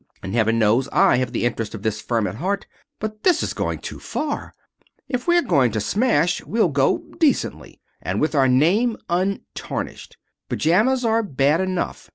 And heaven knows I have the interest of this firm at heart. But this is going too far. If we're going to smash we'll go decently, and with our name untarnished. Pajamas are bad enough.